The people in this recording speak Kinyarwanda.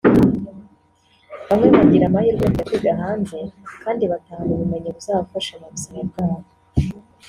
bamwe bagira amahirwe yo kujya kwiga hanze kandi batahana ubumenyi buzafafasha mu buzima bwabo